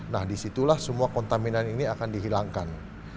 nah disitulah semua kontaminan ini akan dihilangkan